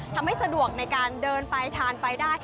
สะดวกในการเดินไปทานไปได้